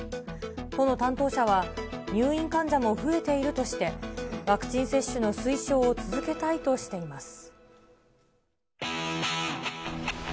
都の担当者は、入院患者も増えているとして、ワクチン接種の推奨を続けたいとしています。